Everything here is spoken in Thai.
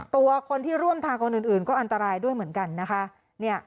ตัวคนที่ร่วมทางคนอื่นก็อันตรายด้วยเหมือนกันนะคะ